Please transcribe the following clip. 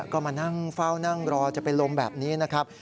ก็มานั่งเฝ้านั่งรอจะเป็นลมแบบนี้นะครับ